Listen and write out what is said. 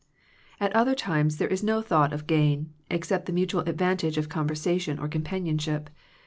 At other times there is no thought of gain, except the mutual advantage of conversation or companionship.